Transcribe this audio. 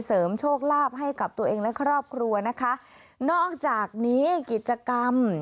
โชคลาภให้กับตัวเองและครอบครัวนะคะนอกจากนี้กิจกรรม